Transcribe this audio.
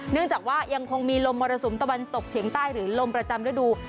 เนื่องจากว่ายังคงมีลมมรสุมตะวันตกเฉียงใต้หรือลมประจำฤดู